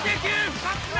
２つ目！